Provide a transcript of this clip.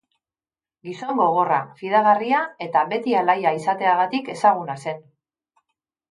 Gizon gogorra, fidagarria eta beti alaia izateagatik ezaguna zen.